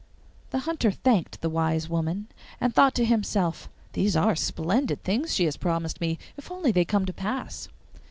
The Hunter thanked the wise woman, and thought to himself 'These are splendid things she has promised me, if only they come to pass!